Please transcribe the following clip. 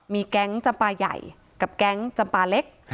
มีแก๊งจำปลาใหญ่กับแก๊งจำปาเล็ก